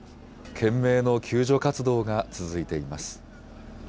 懸命の救助活動が続いています。